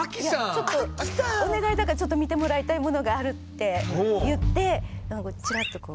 ちょっとお願いだからちょっと見てもらいたいものがあるって言ってちらっとこう。